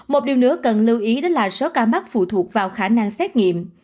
một điều nữa cần lưu ý đó là số ca mắc phụ thuộc vào khả năng xét nghiệm